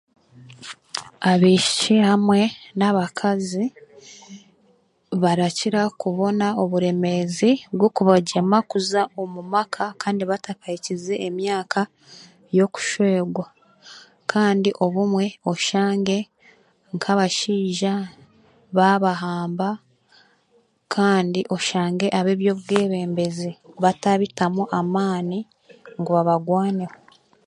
Abaishiki hamwe n'abakazi barakira kubona oburemeezi bw'okubagyema kuza omu maka kandi batakahikize emyaka y'okushwegwa. Kandi obumwe oshange nk'abashaija baabahamba, kandi oshange ab'eby'obwebembezi bataabitamu amaani ngu babarwaneho.